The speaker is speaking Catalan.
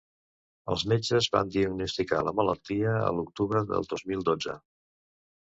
Els metges van diagnosticar la malaltia a l’octubre del dos mil dotze.